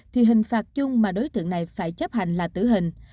thì hình phạt chung mà đối tượng này phải chấp hành là tử hình